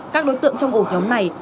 các đối tượng trong ổ nhóm này